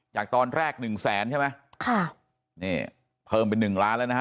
จากตอนแรก๑แสนใช่ไหมค่ะเนี่ยเพิ่มเป็น๑ล้านแล้วนะฮะ